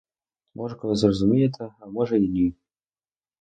Може, колись зрозумієте, а може, і ні.